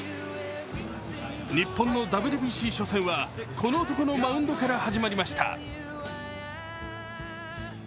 日本のＷＢＣ初戦は、この男のマウンドから始まりました。